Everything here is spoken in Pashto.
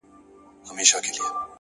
قربانو مخه دي ښه ـ